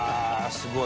すごい。